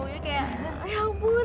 ini kayak ya ampun